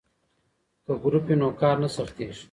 که ګروپ وي نو کار نه سختیږي.